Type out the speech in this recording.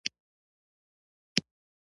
ويې خندل.